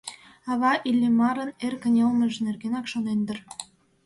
Ава Иллимарын эр кынелмыж нергенак шонен дыр.